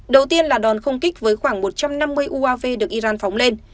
đầu tiên là đòn không kích với khoảng một trăm năm mươi uav được iran phóng lên